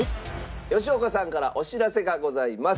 吉岡さんからお知らせがございます。